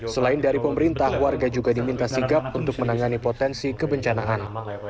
selain dari pemerintah warga juga diminta sigap untuk menangani potensi kebencanaan